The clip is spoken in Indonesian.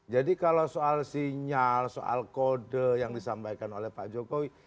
jadi kalau soal sinyal soal kode yang disampaikan oleh pak jokowi